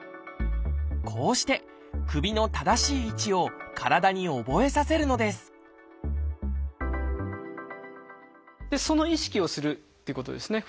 こうして首の正しい位置を体に覚えさせるのですその意識をするっていうことですね。